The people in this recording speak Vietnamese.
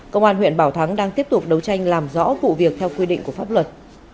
công an huyện bảo thắng đang tiếp tục đấu tranh làm rõ vụ việc theo quy định của pháp luật